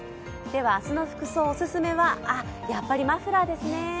明日の服装、オススメはやっぱりマフラーですね。